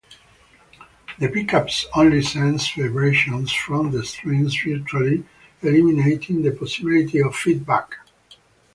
The pickups only sense vibrations from the strings, virtually eliminating the possibility of feedback.